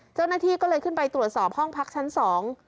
เจ้าหน้าที่ก็เลยขึ้นไปตรวจสอบห้องพักชั้นสอง